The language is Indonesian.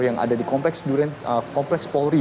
yang ada di kompleks polri